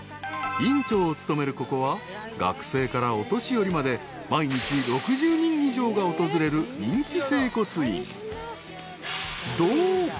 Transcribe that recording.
［院長を務めるここは学生からお年寄りまで毎日６０人以上が訪れる人気整骨院］